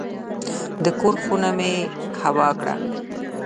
د کور خونه مې هوا کړه.